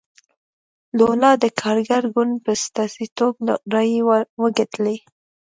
لولا د کارګر ګوند په استازیتوب رایې وګټلې.